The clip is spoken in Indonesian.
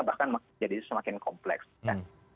bahkan jadi semakin kompleks